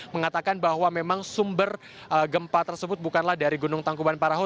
mengatakan bahwa memang sumber gempa tersebut bukanlah dari gunung tangkuban parahu